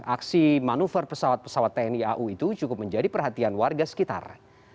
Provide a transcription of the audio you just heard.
aksi manuver pesawat pesawat tni au itu cukup menjadi perhatian warga sekitar